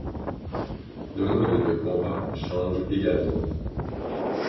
Le mode de combat change également.